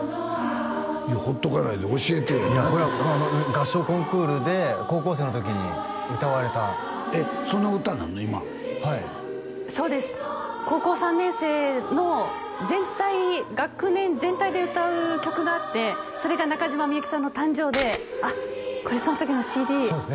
ほっとかないで教えてよ合唱コンクールで高校生の時に歌われたえっその歌なの今はいそうです高校３年生の全体学年全体で歌う曲があってそれが中島みゆきさんの「誕生」であっこれその時のＣＤそうですね